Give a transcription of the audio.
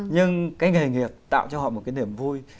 nhưng cái nghề nghiệp tạo cho họ một cái niềm vui